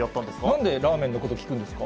なんでラーメンのこと聞くんですか？